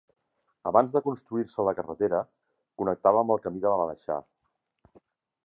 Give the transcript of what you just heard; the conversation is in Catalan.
Abans de construir-se la carretera connectava amb el camí de l'Aleixar.